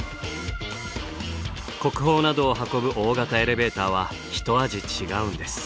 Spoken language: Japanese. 国宝などを運ぶ大型エレベーターは一味違うんです。